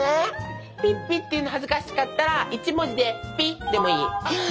ピッピって言うの恥ずかしかったら１文字でピでもいい。